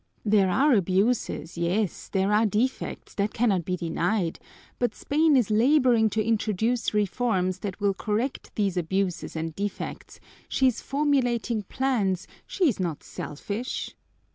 There are abuses, yes, there are defects, that cannot be denied, but Spain is laboring to introduce reforms that will correct these abuses and defects, she is formulating plans, she is not selfish!"